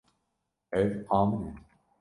Ev a min e.